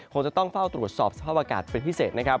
คงจะต้องเฝ้าตรวจสอบสภาพอากาศเป็นพิเศษนะครับ